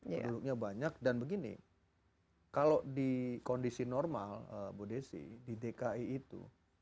penduduknya banyak dan begini kalau di kondisi normal bu desi di dki itu